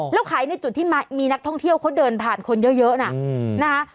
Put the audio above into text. แล้วขายในจุดที่มีนักท่องเที่ยวเขาเดินผ่านคนเยอะน่ะนะคะ